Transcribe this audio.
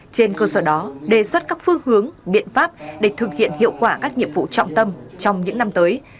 trên cơ sở đó đề xuất các phương hướng biện pháp để thực hiện hiệu quả các nhiệm vụ trọng tâm trong những năm tới